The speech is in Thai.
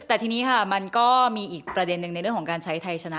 แต่ทีนี้ค่ะมันก็มีอีกประเด็นหนึ่งในเรื่องของการใช้ไทยชนะ